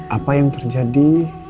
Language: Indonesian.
apa yang terjadi